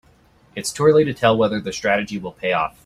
Its too early to tell whether the strategy will pay off.